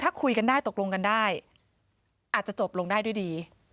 ถ้าคุยกันได้ตกลงกันได้อาจจะจบลงได้ด้วยดี